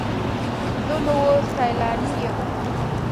زه نو اوس سیلانی یم.